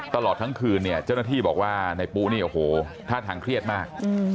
ตลอดทั้งคืนเนี่ยเจ้าหน้าที่บอกว่าในปุ๊นี่โอ้โหท่าทางเครียดมาก